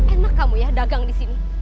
enak kamu ya dagang di sini